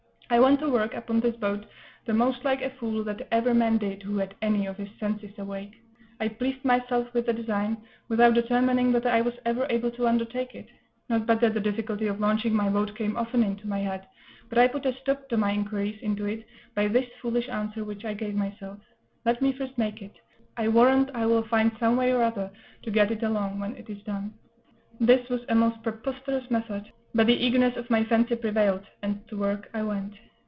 I went to work upon this boat the most like a fool that ever man did who had any of his senses awake. I pleased myself with the design, without determining whether I was ever able to undertake it; not but that the difficulty of launching my boat came often into my head, but I put a stop to my inquiries into it by this foolish answer which I gave myself "Let me first make it; I warrant I will find some way or other to get it along when it is done." This was a most preposterous method; but the eagerness of my fancy prevailed, and to work I went.